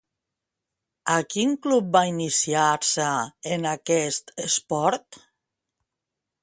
A quin club va iniciar-se en aquest esport?